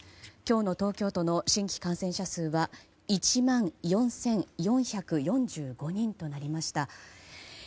今日の東京都の新規感染者数は１万４４４５人となりました。